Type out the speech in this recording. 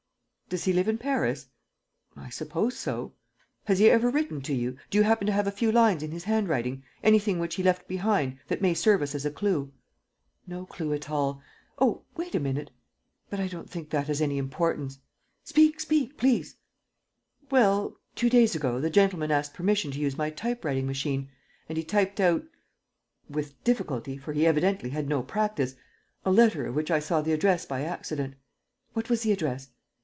"Does he live in Paris?" "I suppose so." "Has he ever written to you? Do you happen to have a few lines in his handwriting, anything which he left behind, that may serve us as a clue?" "No clue at all. ... Oh, wait a minute ... but I don't think that has any importance. ..." "Speak, speak ... please. ..." "Well, two days ago, the gentleman asked permission to use my typewriting machine; and he typed out with difficulty, for he evidently had no practice a letter of which I saw the address by accident." "What was the address?"